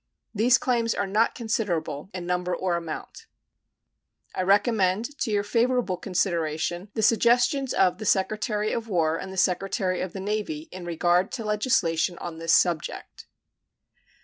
These claims are not considerable in number or amount. I recommend to your favorable consideration the suggestions of the Secretary of War and the Secretary of the Navy in regard to legislation on this subject.